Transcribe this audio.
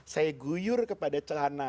saya guyur kepada celana